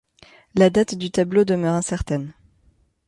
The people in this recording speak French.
La date du tableau demeure incertaine.